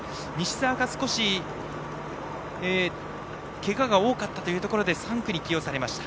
少しけがが多かったというところで３区に起用されました。